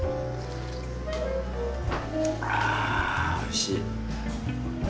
あおいしい。